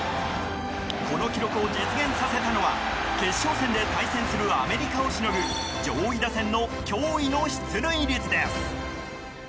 この記録を実現させたのは決勝戦で対戦するアメリカをしのぐ上位打線の驚異の出塁率です。